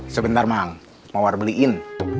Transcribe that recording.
sebentar mamang mau war beliin